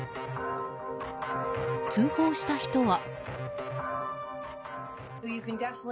通報した人は。